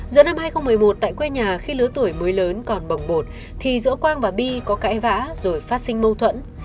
giữa năm hai nghìn một mươi một tại quê nhà khi lứa tuổi mới lớn còn bỏng bột thì giữa quang và bi có cãi vã rồi phát sinh mâu thuẫn